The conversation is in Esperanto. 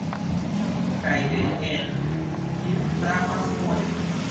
Kaj de-en: ""Kiu frapas fore?".